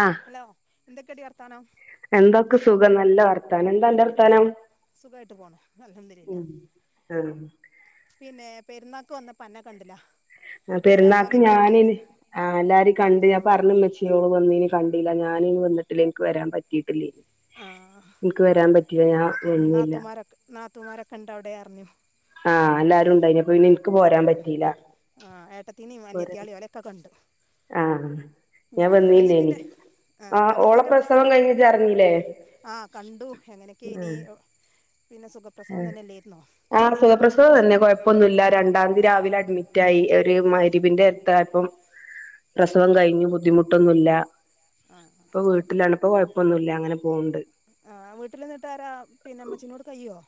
ആഹ് hello എന്തൊക്കെ ടി വർത്താനം എന്തൊക്കെ സുഖം നല്ല വർത്താനം എന്താ അന്റെ വർത്താനം സുഖായിട്ട് പോണ് അൽഹംദുലില്ലാ ഉം ആഹ് പിന്നെ പെരുന്നാക്ക് വന്നപ്പ അന്നേ കണ്ടില്ല പെരുന്നാക്ക് അല്ലാത്തോലെയൊക്കെ ഞാന് കണ്ട് ആഹ് എല്ലാരും ഉം കണ്ട് പറഞ് മെച്ചിയോളു വന്നീനി കണ്ടില്ല ഞാനി വന്നിട്ടില്ല എനിക്ക് വരാൻ പറ്റിയിട്ടില്ലേനി ആ ഇനിക്ക് വരാൻ അനക്ക് പറ്റില്ല ഞാൻ വന്നില്ല നാത്തൂമാരൊക്കെ നാത്തൂമാരൊക്കെ ഉണ്ട് അവിടെ അറിഞ്ഞു ആഹ് എല്ലാരും ഉണ്ടായിനി അപ്പൊ പിന്നെ ഇൻക്ക് പോരാൻ പറ്റിയില്ല ആഹ് ഏട്ടത്തിന പോരാൻ അനിയത്തിയാളെ ഓലെ ക്കൊ കണ്ടു ആഹ് ഞാൻ വന്നില്ലേനി അനിയത്തിന്റെ ആഹ് അനിയത്തിന്റെ പ്രസവം ഇജ്ജറിഞ്ഞിലേ ആഹ് കണ്ടു എങ്ങനെയൊക്കെ ഇനി പിന്നെ സുഖപ്രസവം തന്നെല്ലായിരുന്നോ ആഹ് സുഖപ്രസവം തന്നെ കുഴപ്പമൊന്നുല്ല രണ്ടാം തീയതി രാവിലെ അഡ്മിറ്റായി ഒരു മഗ്‌രിബ്ൻ്റെ നേര ത്തായപ്പം പ്രസവം കഴിഞ്ഞു ബുദ്ധിമുട്ടൊന്നുല്ല ആഹ് ആഹ് വീട്ടിലാണിപ്പോ കൊയപ്പൊന്നുല്ല അങ്ങനെ പോണ്ട് ആഹ് വീട്ടിൽന്നിട്ടാരാ പിന്നെ ഉമ്മച്ചീനോട് കയ്യുവോ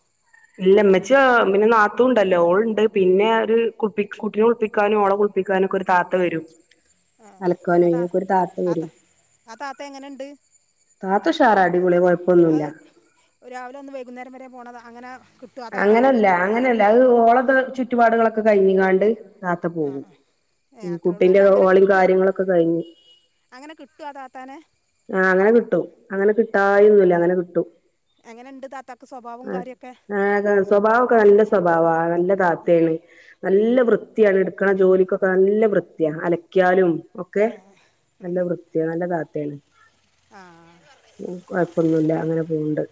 ഇല്ലമ്മച്ചി പിന്നെ നാത്തുണ്ടല്ലോ ഓളുണ്ട് പിന്നെ ഒരു കു കുട്ടിനെ കുളിപ്പിക്കാനും ഓളെ കുളി പ്പിക്കാനൊക്കെ ഒരു താത്ത വരും ആഹ് അലക്കാനും അതാ അയിനൊക്കെ ഒരു താത്ത ആത്ത വരും ആഹ് താത്ത എങ്ങനെണ്ട് താത്തുഷാറ അടിപൊളി കൊയപ്പൊന്നുല്ല രാവിലെ വന്ന് വൈകുന്നേരം വരെ പോണതാ അങ്ങനെ കിട്ടുമോ ആ താത്താനെ അങ്ങനെല്ല അങ്ങനെല്ല അത് ഓളത് ചുറ്റുപാടുകളൊക്കെ കഴിഞ്ഞിങ്ങാണ്ട് താത്ത ആ പോകും ആ ഏ ഉം അത്രേ ഉള്ളൂ കുട്ടിന്റെ അല്ല അങ്ങനെ ഓളെമ് കിട്ടുമോ കാര്യങ്ങളൊക്കെ കഴിഞ്ഞ് അങ്ങനെ കിട്ടുമോ ആ താത്താനെ ആഹ് അങ്ങനെ കിട്ടും അങ്ങനെ കിട്ടായൊന്നുല്ല അങ്ങനെ കിട്ടും എങ്ങനുണ്ട് താത്താക്ക് സ്വഭാവോം ആഹ് കാര്യൊക്കെ ആഹ് അതാ സ്വഭാവൊക്കെ നല്ല സ്വഭാവ നല്ല താത്തേണ് നല്ല വൃത്തിയാണ് എടുക്കണ ജോലിക്കൊക്കെ നല്ല വൃത്തിയ അലക്കിയാലും ഒക്കെ ഏ, ഉം, നല്ല ഉം. വൃത്തിയാ നല്ല താത്തയാണ് ആ കൊയപ്പൊന്നുല്ല അങ്ങനെ പോവണ്ട്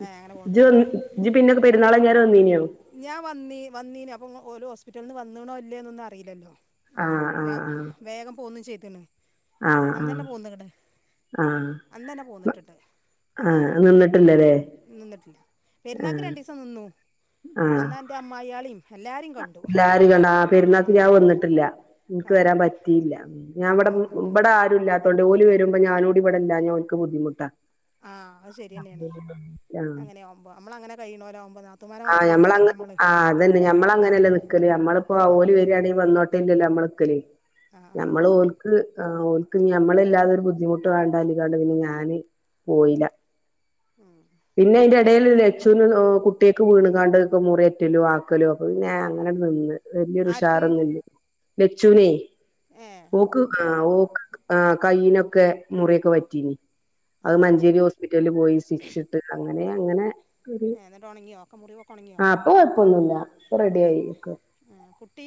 ഏ, അങ്ങനെ പോകണ്ടല്ലേ ജ്ജ് ജ്ജ് പിന്നെ പെരുന്നാള് കഴിഞ്ഞേരം വന്നീനിയോ ഞാൻ വന്നി വന്നീന് അപ്പം ഓല് ഹോസ്പിറ്റലിൽന്ന് വന്നീണോ ഇല്ലേ എന്നൊന്നറിയില്ലല്ലോ ആഹ് ആഹ് ആഹ് വേഗം പോന്ന് ചെയ്തേണ് അന്നന്നെ ആഹ് പോന്നിങ്ങട് ആഹ് ആഹ് നിന്നിട്ടില്ലല്ലേ നിന്നിട്ടില്ല പെരുന്നാക്ക് ആഹ് രണ്ടീസം നിന്നു ആഹ് അന്നാ ൻ്റെ അമ്മായി ആളേം എല്ലാരേം കണ്ടു [unintelligible] ആഹ് പെരുന്നാക്ക് ആ ഞാൻ വന്നിട്ടില്ല എനിക്ക് വരാൻ ആഹ് പറ്റിയില്ല ഞാൻ ഇവടെ ആഹ് ആഹ് ഇവടെ ആരൂല്ലാത്തോണ്ട് ഓല് വരുമ്പോ ഞാനൂടി ഇവിടെ ഇല്ലാഞ്ഞ ഓല്ക്ക് ബുദ്ധിമുട്ടാ ആഹ് അത് ശരിയന്നെയാണേ ആഹ് അങ്ങനെയവുമ്പോ അമ്മളങ്ങനെ കഴിയണോരാവുമ്പോ നാത്തൂമ്മാര ആഹ് മാതിരിയല്ലല്ലോ ഞമ്മളങ്ങ പ്പ മ്മള് ആഹ് അതന്നെ ഞമ്മളങ്ങനെയല്ലേ നിക്കല് അമ്മളിപ്പോ ആഹ് ഓല് വരിയാണെങ്കി വന്നോട്ടല്ലല്ലേ നമ്മള് നിക്കല് ആഹ് ആഹ് ഞമ്മള് ഓല്ക്ക് ഓല്ക്ക് മ്മളല്ലാതൊരു ബുദ്ധിമുട്ട് വേണ്ടാലാണ്ട് പിന്നെ ഞാന് പോയില [inaudible] പിന്നെ അയിന്റെ എടേൽ ലച്ചു ന് കുട്ടിയക്ക് വീണുങ്ങാണ്ട് മുറിയേറ്റലോ ആക്കലോ ങേ അങ്ങനെ ഒന്നുമില്ല നിന്ന് വല്യൊരു ആർക്ക് ഉഷാറന്നില്ലേ ലച്ചൂനെ ഏഹ് ഓക്ക് ങേ കുട്ടികളെ ഓക്ക് കൈയ്യിനൊക്കെ മുറിയൊക്കെ പറ്റീനി അത് ആഹ് മഞ്ചേരി ഹോസ്പിറ്റലില് പോയി സ്റ്റിച്ചിട്ട് അങ്ങനെ അങ്ങനെ എന്നിട്ടൊണങ്ങിയോ ഓക്ക് മുറിവൊക്കെ ഒണങ്ങിയോ ഓ ഇപ്പൊ കൊഴപ്പോന്നൂല്ല ഉം കുട്ടി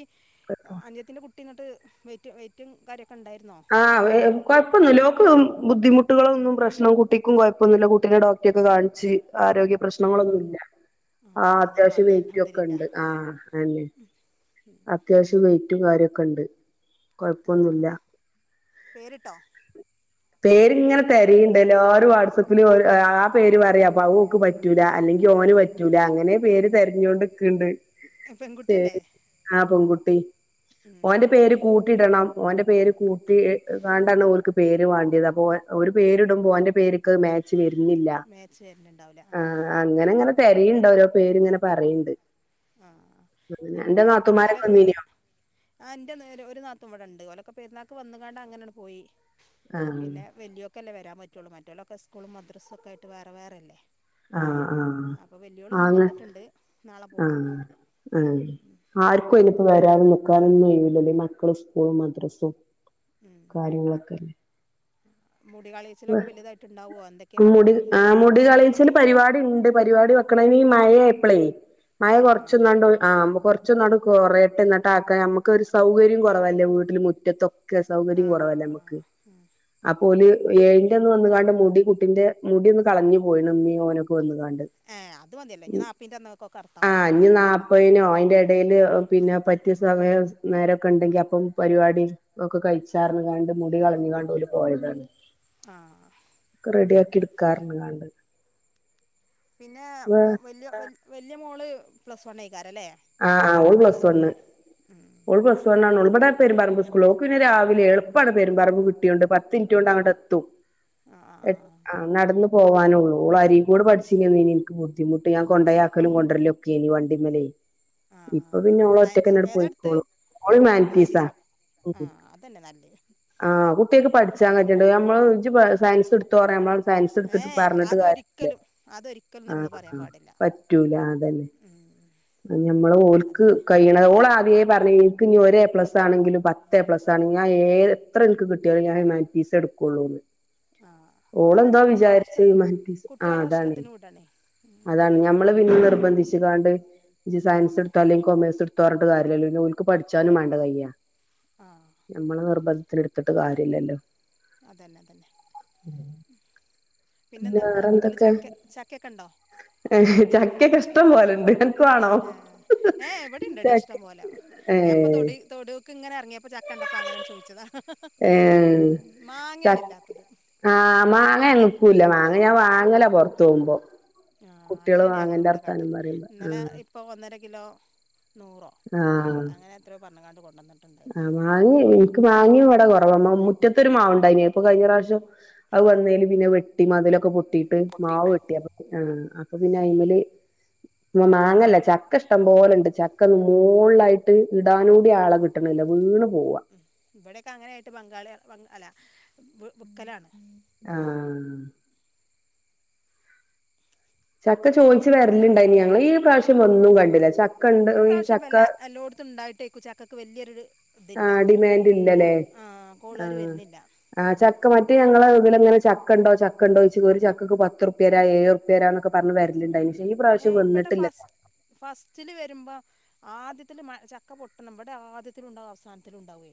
അനിയത്തിന്റെ കുട്ടി കുട്ടി വന്നിട്ട് വെയിറ്റും കാര്യൊക്കെ ഇണ്ടായിരുന്നോ ആ കൊഴ്പ്പോന്നില്ല ഓക്ക് ബുദ്ധിമുട്ടുകളൊന്നും പ്രശ്നം കുട്ടിക്കും കൊഴപ്പൊന്നൂല്ല കുട്ടീടെ ഡോക് കുട്ടിയെക്ക കാണിച്ച് ആരോഗ്യ ഏഹ് പ്രശ്നങ്ങളൊന്നൂല്ല ആഹ് അതന്നെ അത്യാവശ്യം വേണ്ടിയെ വെയിറ്റും ഒക്കെ ഇണ്ട് അൽഹംദുലില്ലാഹ് ആഹ് ഉം അത്യാവശ്യം വെയിറ്റും കാര്യക്കെണ്ട് ആഹ് കൊഴപ്പൊന്നൂല്ല പേരിട്ടോ പേരിങ്ങനെ തെരയിണ്ട് എല്ലാരും വാട്സപ്പിൽ ഓരോ ആഹ് പേര് പറയാപ്പ അവൾക്ക് പറ്റൂല അല്ലെങ്കിൽ ഓന് പറ്റൂല അങ്ങനെ പേര് തെരഞ്ഞോണ്ടിക്ക്ണ്ട് പെൺകുട്ടിയല്ലേ ആഹ് പെൺകുട്ടി. ഓന്റെ ഉം പേര് കൂട്ടിടണം ഓന്റെ പേര് കൂട്ടിങ്ങാണ്ടാണ് ഓല്ക്ക് പേര് വേണ്ടിയത് അപ്പോ ഒരു പേരിടുമ്പോ ഓന്റെ പേര്ക്ക് മാച്ച് വരുന്നില്ല മാച്ച് വരുന്നുണ്ടാവില്ല ആഹ് അങ്ങനെങ്ങനെ തെരയ്ണ്ട് ഓരോ പേര്ങ്ങനെ പറയ്ണ്ട്. ആ അൻ്റെ നാത്തുമ്മാരൊക്കെ വന്നീന്യോ? ആഹ് എൻ്റെ നേരെ ഒരു നാത്തൂൻ ഇവിടെയുണ്ട് ഓലൊക്കെ പെരുന്നാക്ക് വന്ന്ങ്ങാണ്ട് അങ്ങനാണ് പോയി, ആഹ് പിന്നെ വല്ല്യോക്കല്ലേ വരാൻ പറ്റോള്ളൂ മറ്റോലൊക്കെ സ്കൂളും മദ്രസും ഒക്കായിട്ട് വേറെ വേറല്ലേ. ആ ആ ആങ്ങ് വന്നിട്ടുണ്ട് നാളെ പോവും ആഹ്. ആ ആ ആര് പ്പോയ്നിപ്പോ വരാനും നിക്കാനൊന്നും ഒയിവ് ഇല്ല്യല്ലോ ഈ മക്കള് സ്കൂളും മദ്രസും ഉം. കാര്യങ്ങളൊക്കല്ലെ മുടികളേച്ചിലൊക്കെ വലുതായിട്ട്ണ്ടാവോ? എന്തൊക്ക്യാ പറഞ്ഞോ? മുടി ആ മുടി കളേച്ചൽ പരിപാടിയുണ്ട് പരിപാടി വെക്കണം അയിന് ഈ മഴായപ്പളേയ് മഴ ആ ആ കൊറച്ച്ന്നാണ്ട് ആഹ് അമ്മക്കൊറ കൊറച്ചൊന്നാട്ട് കൊറയട്ടെന്നെട്ടാക്കാന് നമ്മക്ക് സൗകര്യും കൊറവല്ലേ വീട്ടില് മുറ്റത്തൊയൊക്കെ ആ സൗകര്യും ആ കൊറവല്ലേ ആ നമ്മക്ക് ഉം. അപ്പോൾ ഏഴന്റന്ന് വന്ന്ങ്ങാണ്ട് മുടി കുട്ടിന്റെ മുടി ഒന്ന് കളഞ്ഞ് പോയിണ് ഇമ്മീം ഓനൊക്കെ വന്ന്ങ്ങാണ്ട്. ഏഹ് അത് മതിയാല്ലോ ഇഞ്ഞി നാപ്പത്തിന്റെന്നൊക്കറാത്താ മതീയാല്ലോ. പ്പോയ്നോ അയിന്റെ എടേല് പിന്നെ പറ്റിയ സമയം നേരൊക്കെണ്ടെങ്കിൽ അപ്പം പരിവാടി ഒക്കെ കഴിച്ചാറ്ഞ്ഞ്ങ്ങാണ്ട് മുടി കളഞ്ഞുങ്ങാണ്ട് ഓല് പോയതാണ്. ആ.. ഒക്കെ റെഡിയാക്കി എടുക്കാറുങ്ങ്ണ്ട്. പിന്നെ മോ വല്ല്യ വല്ല്യ മോള് പ്ലസ് ഓൺലേക്ക് അല്ലെ ആ ആ ഓൾ പ്ലസ് വണ്ണ്. ഉം. ഓൾ പ്ലസ് വണ്ണാണ് ഓളുടെ പെരുപറമ്പ് സ്കൂള്ള് ഓക്ക് പിന്നെ രാവില്യേ എളുപ്പാണ് പെരൂപറമ്പ് കിട്ടിയോണ്ട് പത്ത് മിനിറ്റോണ്ട് അങ്ങട്ടെ എത്തും ആ ആ ആ നടന്ന് പോവാനൊള്ളൂ ഓള് അരീക്കോട് പഠിച്ചിന്യന്നേനി ഇന്ക്ക് ബുദ്ധിമുട്ട് ഞാൻ കൊണ്ടയാക്കലും കൊണ്ടര്ലൊക്കേനീ വണ്ടിമലേയ് ആ സയൻസ് എന്തായെടുത്തെ പോയിക്കോളും ഓള് ഹ്യുമാനിറ്റീസാ ഹുമാൻറ്റിസോ? ആഹ് അതന്നെ നല്ലേ ആ കുട്ടിയോക്ക് പഠിച്ചാൻ കഴിയട്ടെ ഞമ്മള് ജ്ജ് സയൻസെടുത്തോ പറഞ്ഞമ്മള് ഏ സയൻസെടുത്തിട്ട് പറഞ്ഞിട്ട് കാര്യല്ല, അതൊരിക്കലും അതൊരിക്കലും ആ നമ്മൾ പറയാൻ പാടില്ല പറ്റൂല അതന്നെ. ഉം. ഞമ്മള് ഓൾക്ക് അതന്നെ കയ്യണേ ഓളാദ്യേ പറഞ്ഞ് ഇന്ക്കിഞ്ഞി ഒരേപ്ലസ് ആണെങ്കിലും പത്തേപ്ലസ് ആണെങ്കിലു ഞാ ഏ ത്ര ഇന്ക്ക് കിട്ട്യാലും ഞാ ഹ്യുമാന്റീസേ എടുക്കുള്ളൂന്ന്. ആ ഓളെന്തോ അതന്നെ കുട്ടികളെ വിചാര്ച്ച ഇഷ്ടത്തിന് ഹുമാൻറ്റീസ് ആഹ് കുട്ടികളെ അതാണ്. ഇഷ്ടത്തിന് വിടണേ അതാണ് ഞമ്മള് പിന്നെ നിർബന്ധിച്ച്ങ്ങാണ്ട് ജ്ജി ആ സയൻസെട്ത്താേ അല്ലെങ്കീ കൊമേഴ്സ്ടുത്തോറഞ്ഞിട്ട് കാര്യല്ലല്ലോ ഓല്ക്ക് പഠിച്ചാനും വേണ്ടേകയ്യാ ആഹ്. ഞമ്മള നിർബന്ധത്തിനെട്ത്തിട്ട് കാര്യല്ലല്ലോ? അതന്നെ അതന്നെ. [inaudible] പിന്നെ പിന്നെന്താ ഇങ്ങളെ വേറെ വീട്ട്ല് ചക്ക ചക്കെക്കെണ്ടോ? ഏഹ് ചക്കെക്കെ ഇഷ്ടം പോലണ്ട് അനക്ക് വാണോ? ആഹ് ഏഹ് ഇവടെണ്ടെടി ഇഷ്ടം പോലെ ഞാപ്പ ഏഹ് തൊടീ തൊട്യോക്ക്ങ്ങനെ എറങ്ങിയപ്പ ചക്കണ്ടപ്പങ്ങനാട് ചോയിച്ചതാ ഏഹ് ഉം മാങ്ങ്യാണ് ചക്ക് ഇല്ലാത്തത്. ആഹ് മാങ്ങ നിക്കൂല്ല മാങ്ങ ഞാ വാങ്ങല പൊറത്തോവ്മ്പോ അങ്ങനെന്നെ ഞങ്ങളൂവടെ കാട്ടല് പറയുമ്പോ ഇന്നലെ ആഹ് ഇപ്പോ ഒന്നര കിലോ നൂറോ അങ്ങനെ എത്രോ പറഞ്ഞ്ങ്ങാണ്ട് കൊണ്ടോന്ന്ട്ട്ണ്ട് ആഹാ മാങ്ങി ഇനിക്ക് മാങ്ങിം ഇവടെപ്പ കൊറവാ മുറ്റത്തൊരു മാവ്ണ്ടായിനി ഇപ്പൊ കഴിഞ്ഞറാശ്യം അയ് വന്നേല് പിന്നെ അയ് വെട്ടി മതിലൊക്കെ പൊട്ടിട്ട് മാവ് പൊട്ടിയിട്ട് വെട്ടി ആഹ് അപ്പൊ പിന്നെ അയിമല് മാങ്ങല്ല ചക്ക ഇഷ്ടം പോലെണ്ട് ചക്ക മോള്ളായിട്ട് ഇടാനൂടി ആളെ കിട്ട ട്ട്ണില്ല വീണ് പോ ഉവ്വ ഇവിടെക്കെ അങ്ങനെ ആയിട്ട് ബംഗാളി ബം അല്ല വി വിക്കലാണ് ആഹ് ചക്ക ചോയ്ച്ച് പിന്നെ വരലുണ്ടായിനി ഞങ്ങള് ഈ പ്രാവശ്യം വന്നും കണ്ടില്ല ച ഇപ്രാവശ്യം വല്ല എല്ലോടത്തും ഇണ്ടായിട്ടേക്കും ചക്കക്ക് വല്യരുരു ഇതില്ല ആഹ് ഡിമാൻഡ് കോൾ ഇല്ലല്ലേ ആഹ് കോളാര് ആഹ് വരുന്നില്ല ആഹ് ചക്ക മറ്റ് ഞങ്ങള് ഇതിലെങ്ങനെ ചക്ക ഇണ്ടോ ചക്കണ്ടോ ഇച്ചിക്ക് ഒരു ചക്കക്ക് പത്ത് റുപ്യ തരാം ഏഴു തരാന്നൊക്ക പറഞ്ഞ് വരലണ്ടായിന് ക്ഷെ ഈപ്രാവശ്യം വന്നിട്ടില്ല ഫസ്റ്റില് വരുമ്പോ ആദ്യത്തില് മ ചക്ക പൊട്ടണം ഇവടെ ആദ്യത്തിലുണ്ടാവും അവസാനത്തിലും ഉണ്ടാവേ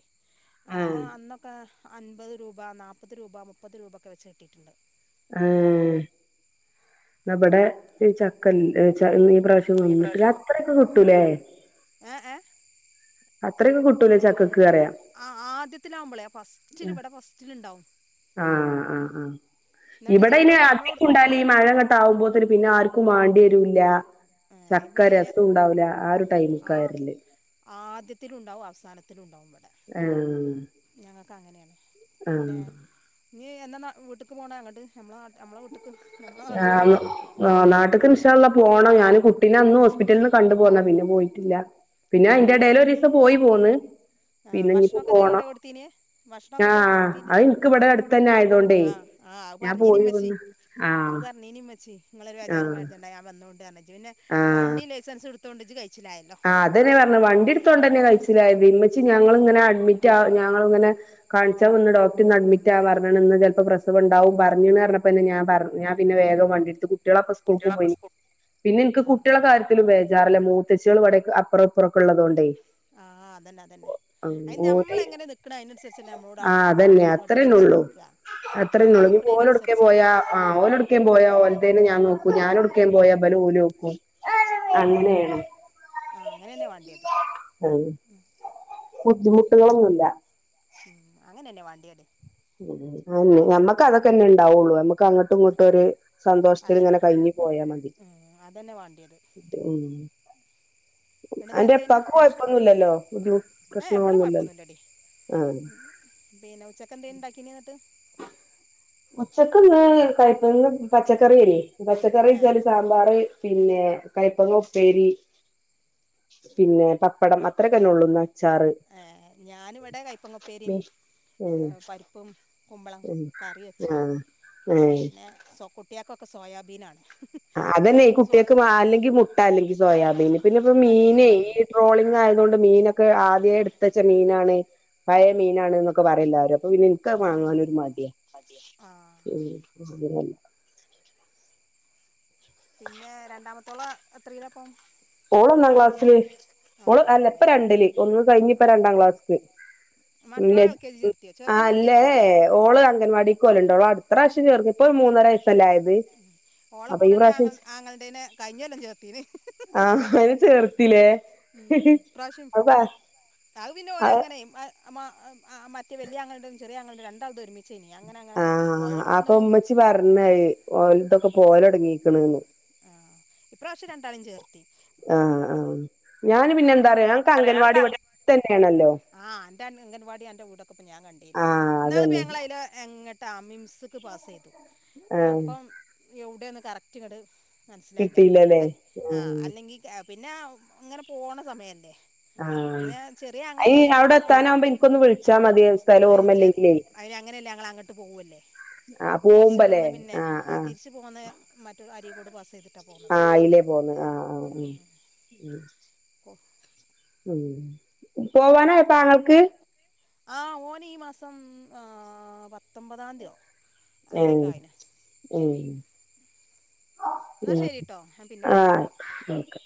അപ്പോൾ ആഹ് അന്നൊക്കെ അൻപത് രൂപ നാപ്പത് രൂപ മുപ്പത് രൂപൊക്കെ വെച്ച് എത്തിട്ടുണ്ട്. അഹ് ന്നബടെ ഈ ചക്ക ഇൽ എ് ച ഇള്ള് ഈ ഇപ്രാവശ്യം ഈ വന്നിട്ടില്ല അത്രയ്ക്കെ കിട്ടൂലേ? ഏഹ് ഏഹ് അത്രയൊക്കെ കിട്ടൂലെ ഒരു ചക്കക്ക് പറയാ? ആഹ് ആദ്യത്തിലാവുമ്പോളെ ആ ഫസ്റ്റില് ഇവിടെ ഫസ്റ്റില് ഇണ്ടാവും ആഹ് ആഹ് ആഹ് എന്നിട്ട് ഇജ്ജ് ഇവിടെ അയിന് നമ്മളെ അക്ക് നമ്മളോട് ഉണ്ടായി ഈ മഴ ഇങ്ങട്ട് ആവുമ്പോത്തിന് പിന്നെ ആർക്കും വേണ്ടി വരൂല്ല ഏ ചക്ക ഇവിടെ ഇനി രസോം ഉണ്ടാവൂല ആ ഒരു ആ ടൈമിക്കവരല് ആദ്യത്തിലുണ്ടാവും അവസാനത്തിലും ഉണ്ടാവും ബടെ ആഹ് ഞങ്ങൾക്ക് അങ്ങനെയാണ് പിന്നെ ആഹ് നീ എന്ന നാ വീട്ട്ക്ക് പോണ് അങ്ങട് ഞമ്മള നാ ന ആഹ് ന്ന് നാട്ട്ക്ക് ഇൻഷ അള്ള പോണം ഞാൻ കുട്ടീനെ അന്ന് ഹോസ്പിറ്റലിന്ന് കണ്ടു പോന്നാ പിന്നെ പോയിട്ടില്ല പിന്നെ ആ അയ്ൻ്റെ എടേല് അതെ ഒരു ദിവസം പോയി പോന്ന് ആ പിന്നെ ഞിപ്പോ ഭക്ഷണമൊക്കെ ജയ പോണം കൊണ്ടേ കൊടുത്തീന് ഭക്ഷണമൊക്കെ ജയ കൊണ്ടേ ആഹ് കൊടുത്തീന് അത് എനിക്ക് ഇവിടെ അടുത്തന്നെ ആയതോണ്ടേ ആഹ് അഹ് ഞാൻ പറഞ്ഞീനിം പോയി ഉമ്മച്ചി വന്ന് അത് ആഹ് പറഞ്ഞനിം ഉമ്മച്ചി ഇങ്ങളൊരു ബേജാറും ആഹ് പേടിച്ചണ്ട ഞാൻ വന്നോണ്ട് ഇജ് പിന്നെ ആഹ് വണ്ടിം ലൈസൻസും ഇടു തോണ്ട് ഇജ് കഴിച്ചിലായില്ലോ ആഹ് അതന്നെ പറഞ്ഞേ വണ്ടി എടുത്തോണ്ടന്നെ കഴിച്ചിലായിത് ഉമ്മച്ചി ഞങ്ങള് ഇങ്ങനെ അഡ്മിറ്റ് ആ ഞങ്ങള് ഇങ്ങനെ കാണിച്ചാ വന്ന് ഡോക്ടർന്ന് അഡ്മിറ്റ് ആവാർന്ന് ഇന്ന് ചെലപ്പോ പ്രസവണ്ടാവും പറഞ്ഞുന്ന് പറഞ്ഞപ്പോന്നെ ഞാൻ പറഞ്ഞു ഞാൻ പിന്നെ വേഗം വണ്ടിടുത്തു കുട്ട്യളൊക്കെ സ് ക്കൂളിക്കുംപോയി കുട്ടികളൊക്കെ സ്കൂൾ പിന്നെ എനിക്ക് ആ ആ കുട്ടികളെ കാര്യത്തിലും ബേജാറില്ല മൂത്ത ച്ചികളുവിടെ അപ്പറവും ഇപ്പ റോക്കെള്ളതോണ്ടേ ആഹ് അതന്നെ അതന്നെ അയിന് ഓല് ഞമ്മള് എങ്ങനെ നിക്കണ് അയിനനുസരിച്ചല്ലേ നമ്മളോട് ആഹ് ആൾക്കാ അതന്നെ മറ്റോലും ഇങ്ങട്ട് അത്രന്നെ തിരിച്ച് ഉള്ളൂ നിക്കാ നമ്മള് നിക്കണേനനുസരിച്ചാണല്ലോ ഓലൊട്ക്കേനും പോയാ ഓൽതേനു ഞാൻ നോക്കും ഞാൻ ഒട്ക്കേനു പോയാ ബല് ഓല് നോക്കും ആഹ് അങ്ങനേണ് ആഹ് അങ്ങനെന്നെ വാണ്ടിയത് ഉം ഉം ബുദ്ധിമുട്ടുകളൊന്നുല്ല ഉം അങ്ങനെന്നെ വാണ്ടിയേത് ഉം അല്ല് ഞമ്മക്ക് അതൊക്കെന്നെണ്ടാവുള്ളു നമുക്ക് അങ്ങോട്ടും അ ഇങ്ങോട്ടും ഒര് സന്തോഷത്തില് ഇങ്ങനെ അതന്നെ കഴിഞ്ഞ് പോയാ മതി ഉം അതന്നെ വാണ്ടിയത് ത് ഉം അന്റെ വടെന്നത്തേനി ഉപ്പാക്ക് ഭഷ് കൊഴപ്പൊന്നുല്ലല്ലോ ബുദ്ധിമു ഏഹ് ഇവടെ പ്രശ്നങ്ങളൊന്നുല്ലല്ലോ കൊഴപ്പൊന്നുല്ലടി ആഹ് ഉം പിന്നെ ഉച്ചക്ക് എന്തേനിണ്ടാക്കീനി എന്നിട്ട് ഉച്ചക്ക്ന്ന് കയ്പ്പങ്ങന്ന് പച്ചക്കറിയേയ്നി ഏഹ് പച്ചക്കറിച്ചാല് സാമ്പാ മ്പാറ് പിന്നെ കയ്പ്പങ്ങ ഉപ്പേരി പിന്നെ പപ്പടം അത്രക്കന്നെ ഉള്ളൂന്ന് അച്ചാറ് ഏഹ് ഞാനിവിടെ കൈപ്പൊങ്ങപ്പേരിം ഉം പരിപ്പും കുമ്പളം ഉം കറി വെച്ചു ആഹ് ഏഹ് പിന്നെ കുട്ടിയാക്കൊക്കെ സോയാബീനാണ് ആഹ് അതന്നെ ഈ അപ്പന്ന് സോ കുട്ട്യാക്ക് മാ അല്ലെങ്കി മുട്ട അല്ലെങ്കി സോയാബീന് പിന്നെ ഇപ്പൊ അല്ലെങ്കിൽ മീനെ ഉരുളൻ ഈ കിഴങ്ങ് ട്രോളിംങ് ആയതോണ്ട് മീനൊക്കെ ആദ്യേട്ത്തച്ച മീനാണ് പയേ മീനാണ്ന്നൊക്കെ പറിയെല്ലാരും അപ്പൊപിന്നെ ഇൻക്കത് മാങ്ങാനൊരു മട്യാ മടിയാ ആഹ് [unintelligible] പിന്നെ രണ്ടാമത്തോള് എത്രയിലാപ്പം ഓള് ഒന്നാം ക്ലാസ്സില് ഓള് ആഹ് അല്ല ഒന്നാം ഇപ്പ ക്ലാസ്സില് രണ്ടില് ഒന്ന് കഴിഞ്ഞ്പ്പ ആഹ് രണ്ടാം ക്ലാസ്ക്ക് ല്ലെ മറ്റോളെ എൽ കെ ജി ഉം ചേർത്തിയോ ചെറുതിനെ അഹ് എൽ കെ ല്ലേ ജി ചേർത്തിയോ ഓള് അംഗൻവാടി ക്കോകല്ണ്ട് ഓളട്ത്ത പ്രാവശ്യം ചേർന്ന്തുപ്പോ മൂന്നര വയസല്ലായത് അപ്പൊ ഈ പ്രാവശ്യം ഞങ്ങൾടേനെ കഴിഞ്ഞൊല്ലം ചേർത്തീന് ആഹ് അയ്നെ ചേർത്തിലേ അവ് അവ്പിന്നോലങ്ങനെ മ മ മറ്റെ വല്യാങ്ങൾന്റതും ചെറിയാങ്ങൾന്റെതും രണ്ടാൾതും ഒരുമിച്ചേയ്നി ഞ്ഞിഅങ്ങനങ്ങനെ പോയിനി പോയോളും വന്നോളും ഓൽതൊക്കെ പോവലൊട്ങ്ങിക്ക്ണ്ന്ന് ആഹ് ഇപ്രാശ്യം രണ്ടാളിം ചേർത്തി ആഹ് ആഹ് ഞാന് പിന്നെന്താറിയോ ഞങ്ങക്ക് അംഗൻവാടി ഇവിടെ ത്തന്നെണല്ലോ ആഹ് അന്റെ അംഗൻവാടി അന്റെ വീടൊക്കെപ്പ ഞാൻകണ്ടീലേ ആഹ് എന്നാളിപ്പം അതന്നെ ഞങ്ങളയ്‌ലെ എങ്ങട്ടാ മിംസ് ക്ക് പാസെയ്തു ആഹ് അപ്പം യൗടെന്ന് കറക്റ്റ്ങ്ങട് മൻസ്സിലായില അല്ലെ ആഹ് അല്ലെങ്കി പിന്നെ ഇങ്ങനെ പോണ സമയല്ലേ ആഹ് അയ് അവിടെ കിട്ടുമോ എത്താനാവുമ്പോ ഇൻക്കൊന്ന് വിളിച്ചാ മതി സ്ഥലം ഓർമ്മല്ലങ്കിലേ അങ്ങനെയല്ല ഞങ്ങളങ്ങട്ട് പോവല്ലേ ആഹ് തിരിച്ചു പോവുമ്പല്ലേ പോന്ന് പിന്നെ ആഹ് ആ ആഹ് തിരിച്ചു പോന്ന് മറ്റൊ അരിക്കോട് പാസെയ്തിട്ടാ പോന്നത് ആഹ് അയിലേ പോന്ന് ആഹ് ആഹ് ഉം ഉം പോ ഉം പോവാനായപ്പാങ്ങൾക്ക് ആഹ് ഓനീ മാസം ആഹ് പത്തൊമ്പതാന്ത്യോ ഏഹ് ഉം എന്നാൽ ഉം ശരി കേട്ടോ ഞാൻ പിന്നെ വിളിക്കാം ആഹ് ഓക്കെ